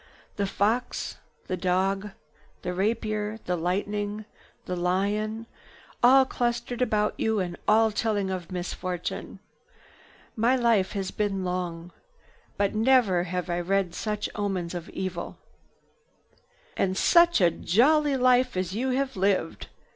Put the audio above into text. "The fox, the dog, the rapier, the lightning, the lion, all clustered about you and all telling of misfortune! My life has been long, but never have I read such omens of evil! "And such a jolly life as you have lived!"